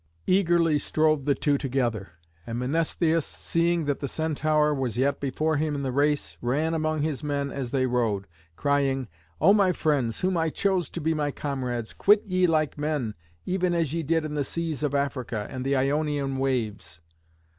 Eagerly strove the two together, and Mnestheus, seeing that the Centaur was yet before him in the race, ran among his men as they rowed, crying, "O my friends whom I chose to be my comrades, quit ye like men, even as ye did in the seas of Africa and the Ionian waves.